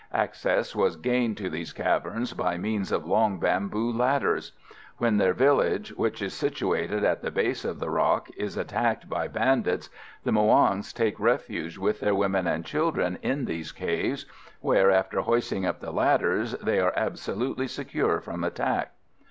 Access was gained to these caverns by means of long bamboo ladders. When their village, which is situated at the base of the rock, is attacked by bandits, the Muongs take refuge with their women and children in these caves, where, after hoisting up the ladders, they are absolutely secure from attack.